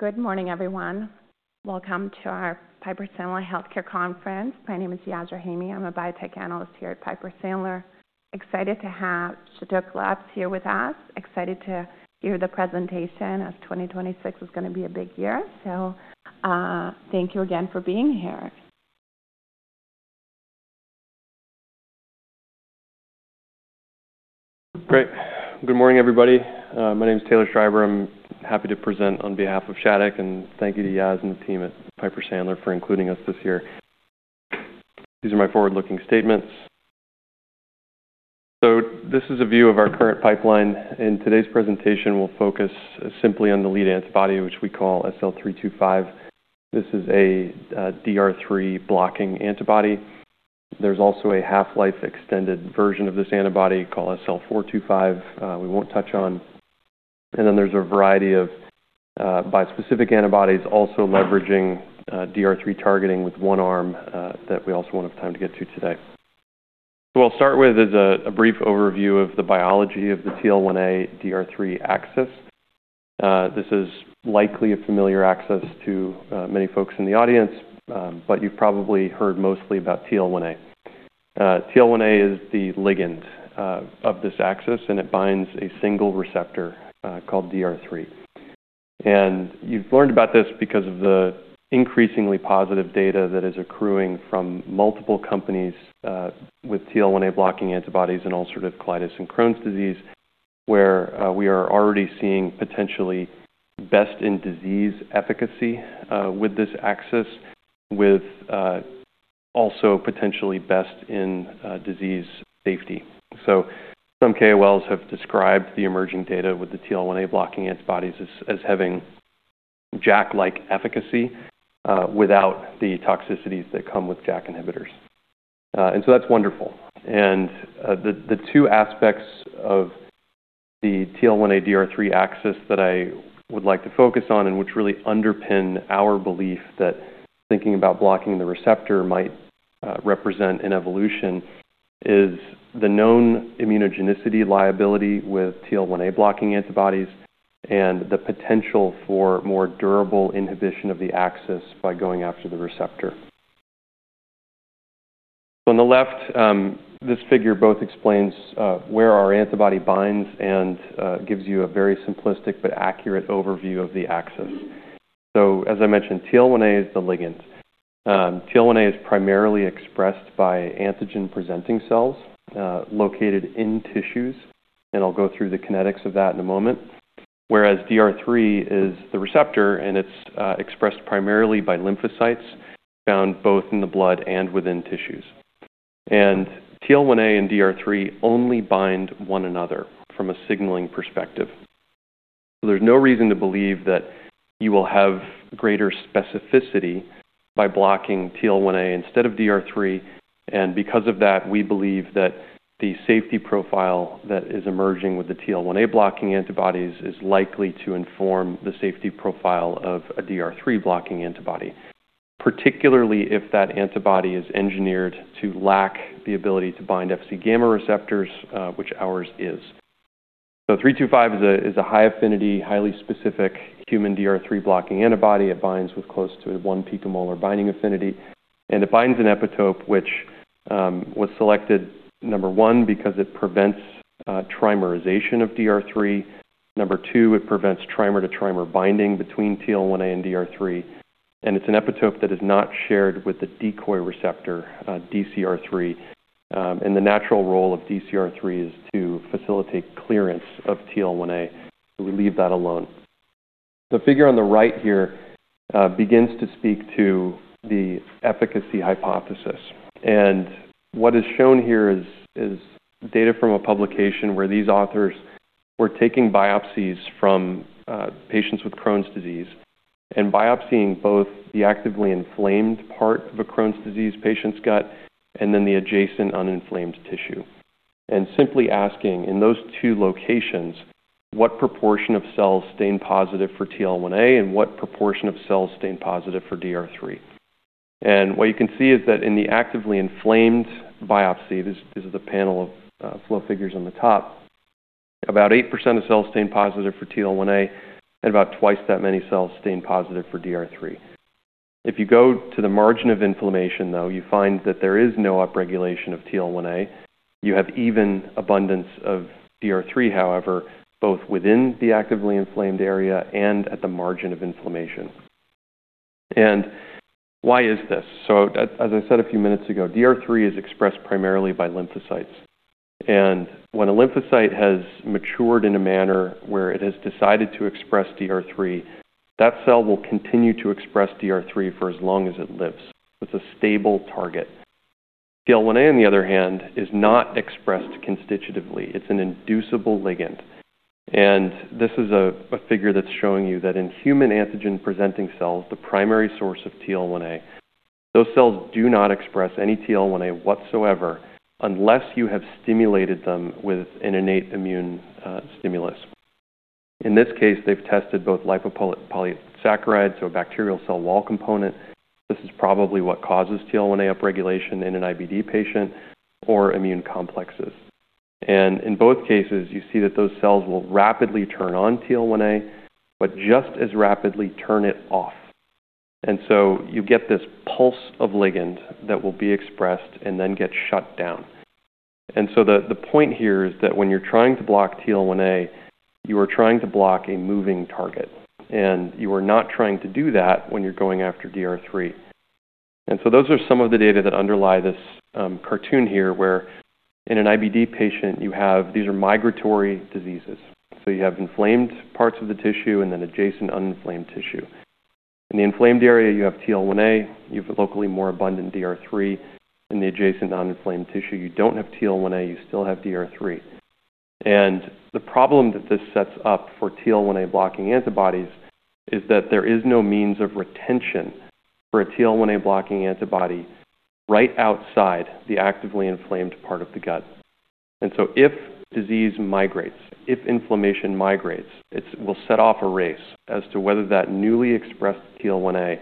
Good morning, everyone. Welcome to our Piper Sandler Healthcare Conference. My name is Yasmeen Rahimi. I'm a biotech analyst here at Piper Sandler. Excited to have Shattuck Labs, here with us. Excited to hear the presentation as 2026 is going to be a big year. Thank you again for being here. Great. Good morning, everybody. My name is Taylor Schreiber. I'm happy to present on behalf of Shattuck, and thank you to Yaz and the team at Piper Sandler for including us this year. These are my forward-looking statements. This is a view of our current pipeline. In today's presentation, we'll focus simply on the lead antibody, which we call SL-325. This is a DR3 blocking antibody. There's also a half-life extended version of this antibody called SL-425 we won't touch on. There is a variety of bispecific antibodies also leveraging DR3 targeting with one arm that we also won't have time to get to today. What I'll start with is a brief overview of the biology of the TL1A/DR3 axis. This is likely a familiar axis to many folks in the audience, but you've probably heard mostly about TL1A. TL1A, is the ligand of this axis, and it binds a single receptor, called DR3. You have learned about this because of the increasingly positive data that is accruing from multiple companies, with TL1A blocking antibodies in ulcerative colitis and Crohn's disease, where we are already seeing potentially best in disease efficacy with this axis, with also potentially best in disease safety. Some KOLs, have described the emerging data with the TL1A blocking antibodies as having JAK-like efficacy, without the toxicities that come with JAK inhibitors. That is wonderful. The two aspects of the TL1A/DR3 axis that I would like to focus on and which really underpin our belief that thinking about blocking the receptor might represent an evolution is the known immunogenicity liability with TL1A blocking antibodies and the potential for more durable inhibition of the axis by going after the receptor. On the left, this figure both explains where our antibody binds and gives you a very simplistic but accurate overview of the axis. As I mentioned, TL1A is the ligand. TL1A, is primarily expressed by antigen-presenting cells, located in tissues, and I'll go through the kinetics of that in a moment, whereas DR3 is the receptor, and it's expressed primarily by lymphocytes found both in the blood and within tissues. TL1A and DR3 only bind one another from a signaling perspective. There's no reason to believe that you will have greater specificity by blocking TL1A instead of DR3. Because of that, we believe that the safety profile that is emerging with the TL1A blocking antibodies is likely to inform the safety profile of a DR3 blocking antibody, particularly if that antibody is engineered to lack the ability to bind Fc gamma receptors, which ours is. SL-325 is a high affinity, highly specific human DR3 blocking antibody. It binds with close to a 1-picomolar binding affinity, and it binds an epitope which was selected, number one, because it prevents trimerization of DR3. Number two, it prevents trimer-to-trimer binding between TL1A and DR3, and it is an epitope that is not shared with the decoy receptor, DCR3. The natural role of DCR3 is to facilitate clearance of TL1A, so we leave that alone. The figure on the right here begins to speak to the efficacy hypothesis. What is shown here is data from a publication where these authors were taking biopsies from patients with Crohn's disease and biopsying both the actively inflamed part of a Crohn's disease patient's gut and then the adjacent uninflamed tissue. Simply asking, in those two locations, what proportion of cells stain positive for TL1A and what proportion of cells stain positive for DR3? What you can see is that in the actively inflamed biopsy, this is a panel of flow figures on the top, about 8%, of cells stain positive for TL1A and about twice that many cells stain positive for DR3. If you go to the margin of inflammation, you find that there is no upregulation of TL1A. You have even abundance of DR3, however, both within the actively inflamed area and at the margin of inflammation. Why is this? As I said a few minutes ago, DR3 is expressed primarily by lymphocytes. When a lymphocyte has matured in a manner where it has decided to express DR3, that cell will continue to express DR3 for as long as it lives. It's a stable target. TL1A, on the other hand, is not expressed constitutively. It's an inducible ligand. This is a figure that's showing you that in human antigen-presenting cells, the primary source of TL1A, those cells do not express any TL1A whatsoever unless you have stimulated them with an innate immune stimulus. In this case, they've tested both lipopolysaccharide, a bacterial cell wall component. This is probably what causes TL1A upregulation in an IBD patient or immune complexes. In both cases, you see that those cells will rapidly turn on TL1A, but just as rapidly turn it off. You get this pulse of ligand that will be expressed and then get shut down. The point here is that when you're trying to block TL1A, you are trying to block a moving target, and you are not trying to do that when you're going after DR3. Those are some of the data that underlie this cartoon here where in an IBD patient, you have these are migratory diseases. You have inflamed parts of the tissue and then adjacent uninflamed tissue. In the inflamed area, you have TL1A. You have locally more abundant DR3. In the adjacent uninflamed tissue, you don't have TL1A. You still have DR3. The problem that this sets up for TL1A blocking antibodies is that there is no means of retention for a TL1A blocking antibody right outside the actively inflamed part of the gut. If disease migrates, if inflammation migrates, it will set off a race as to whether that newly expressed TL1A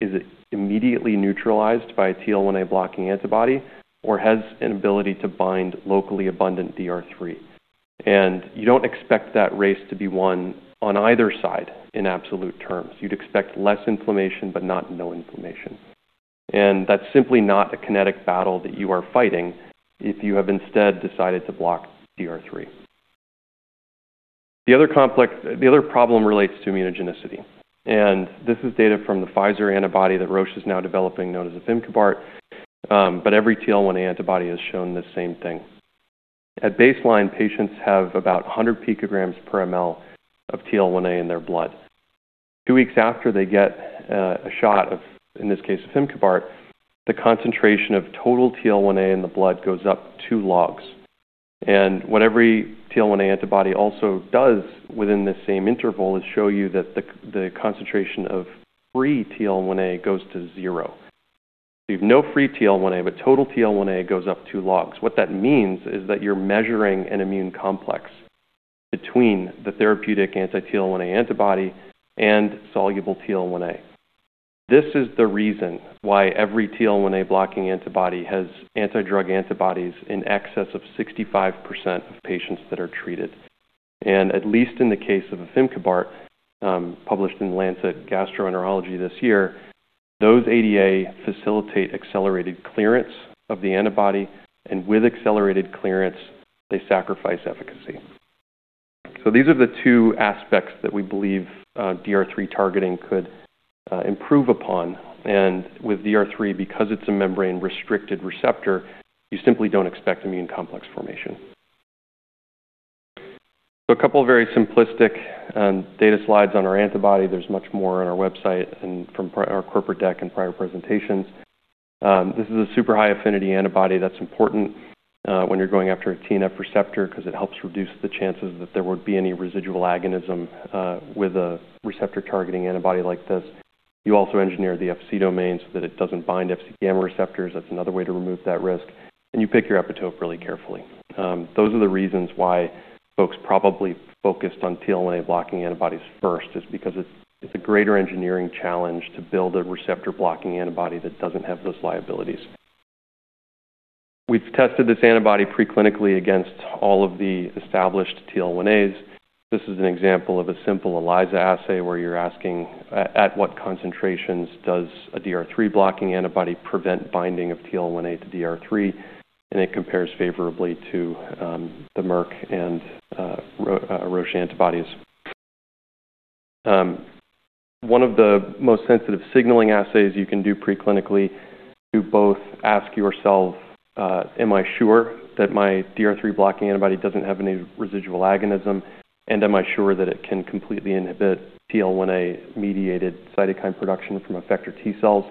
is immediately neutralized by a TL1A blocking antibody or has an ability to bind locally abundant DR3. You do not expect that race to be won on either side in absolute terms. You would expect less inflammation but not no inflammation. That is simply not a kinetic battle that you are fighting if you have instead decided to block DR3. The other complex, the other problem relates to immunogenicity. This is data from the Pfizer, antibody that Roche, is now developing, known as Afimcovart. Every TL1A antibody has shown the same thing. At baseline, patients have about 100 picograms per mL of TL1A in their blood. Two weeks after they get a shot of, in this case, Afimcovart, the concentration of total TL1A in the blood goes up two logs. What every TL1A antibody also does within the same interval is show you that the concentration of free TL1A goes to zero. You have no free TL1A, but total TL1A goes up two logs. What that means is that you're measuring an immune complex between the therapeutic anti-TL1A antibody and soluble TL1A. This is the reason why every TL1A blocking antibody has antidrug antibodies in excess of 65%, of patients that are treated. At least in the case of Afimcovart, published in Lancet Gastroenterology this year, those ADA, facilitate accelerated clearance of the antibody, and with accelerated clearance, they sacrifice efficacy. These are the two aspects that we believe DR3 targeting could improve upon. With DR3, because it's a membrane-restricted receptor, you simply don't expect immune complex formation. A couple of very simplistic data slides on our antibody. There's much more on our website and from our corporate deck and prior presentations. This is a super high affinity antibody. That's important when you're going after a TNF receptor, because it helps reduce the chances that there would be any residual agonism with a receptor-targeting antibody like this. You also engineer the Fc domain, so that it doesn't bind Fc gamma receptors. That's another way to remove that risk. You pick your epitope really carefully. Those are the reasons why folks probably focused on TL1A blocking antibodies first, because it's a greater engineering challenge to build a receptor-blocking antibody that doesn't have those liabilities. We've tested this antibody preclinically against all of the established TL1As. This is an example of a simple ELISA, assay where you're asking, at what concentrations does a DR3 blocking antibody prevent binding of TL1A to DR3? And it compares favorably to the Merck and Roche antibodies. One of the most sensitive signaling assays you can do preclinically to both ask yourself, am I sure that my DR3 blocking antibody doesn't have any residual agonism, and am I sure that it can completely inhibit TL1A-mediated cytokine production from effector T cells,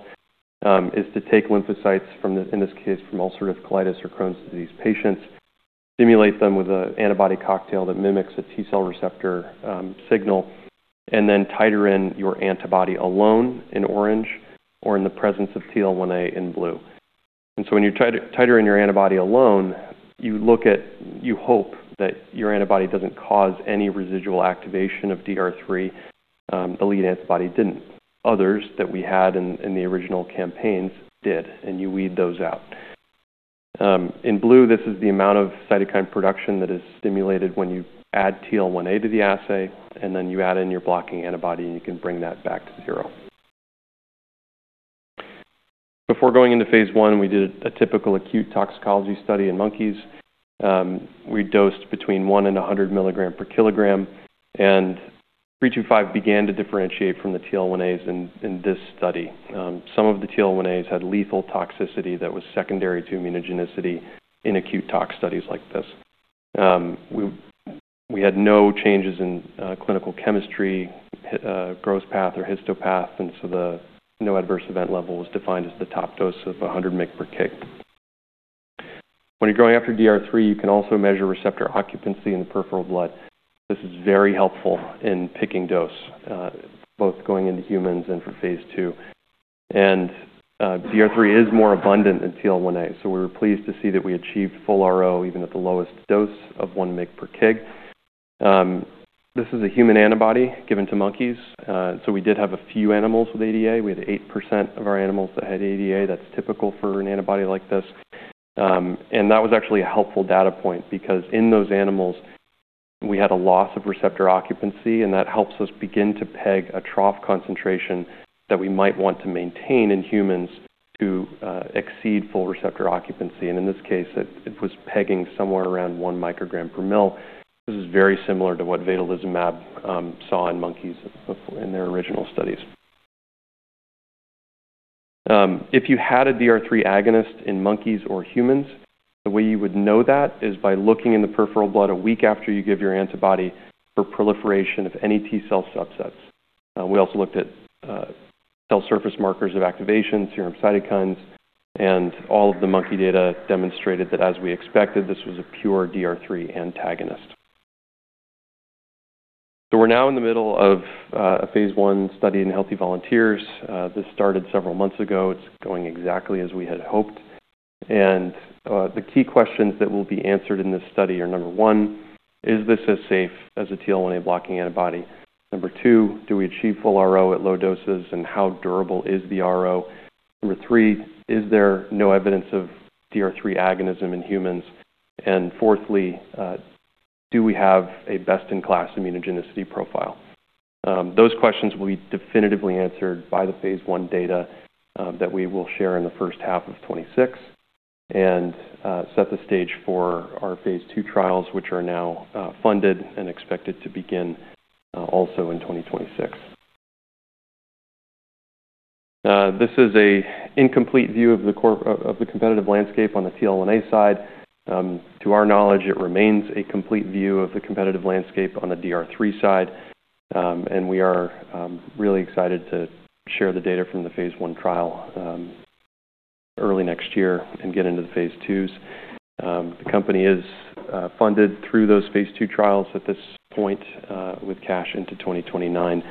is to take lymphocytes from the, in this case, from ulcerative colitis or Crohn's disease patients, stimulate them with an antibody cocktail that mimics a T cell receptor signal, and then titer in your antibody alone in orange or in the presence of TL1A in blue. When you titer in your antibody alone, you look at, you hope that your antibody doesn't cause any residual activation of DR3. The lead antibody didn't. Others that we had in the original campaigns did, and you weed those out. In blue, this is the amount of cytokine production that is stimulated when you add TL1A to the assay, and then you add in your blocking antibody, and you can bring that back to zero. Before going into phase I, we did a typical acute toxicology study in monkeys. We dosed between 1 and 100 mg per kg, and 325 began to differentiate from the TL1As in this study. Some of the TL1As had lethal toxicity that was secondary to immunogenicity in acute tox studies like this. We had no changes in clinical chemistry, gross path or histopath, and so the no adverse event level was defined as the top dose of 100 µg per kg. When you're going after DR3, you can also measure receptor occupancy in the peripheral blood. This is very helpful in picking dose, both going into humans and for phase II. DR3 is more abundant than TL1A, so we were pleased to see that we achieved full RO even at the lowest dose of 1 µg per kg. This is a human antibody given to monkeys. We did have a few animals with ADA. We had 8%, of our animals that had ADA. That's typical for an antibody like this. and that was actually a helpful data point because in those animals, we had a loss of receptor occupancy, and that helps us begin to peg a trough concentration that we might want to maintain in humans to exceed full receptor occupancy. In this case, it was pegging somewhere around 1 microgram per mL. This is very similar to what Vedolizumab saw in monkeys in their original studies. If you had a DR3 agonist in monkeys or humans, the way you would know that is by looking in the peripheral blood a week after you give your antibody for proliferation of any T cell subsets. We also looked at cell surface markers of activation, serum cytokines, and all of the monkey data demonstrated that, as we expected, this was a pure DR3 antagonist. We are now in the middle of a phase I study in healthy volunteers. This started several months ago. It's going exactly as we had hoped. The key questions that will be answered in this study are: number one, is this as safe as a TL1A blocking antibody? Number two, do we achieve full RO at low doses, and how durable is the RO? Number three, is there no evidence of DR3 agonism in humans? Fourthly, do we have a best-in-class immunogenicity profile? Those questions will be definitively answered by the phase I data, that we will share in the first half of 2026 and set the stage for our phase II trials, which are now funded and expected to begin also in 2026. This is an incomplete view of the core of the competitive landscape on the TL1A side. To our knowledge, it remains a complete view of the competitive landscape on the DR3 side. We are really excited to share the data from the phase I trial early next year and get into the phase II. The company is funded through those phase II trials at this point, with cash into 2029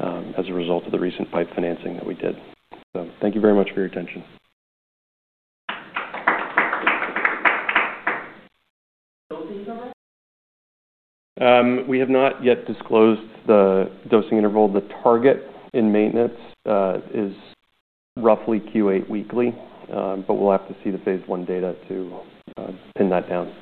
as a result of the recent pipe financing that we did. Thank you very much for your attention. Dosing interval? We have not yet disclosed the dosing interval. The target in maintenance is roughly Q8 weekly, but we'll have to see the phase I data to pin that down.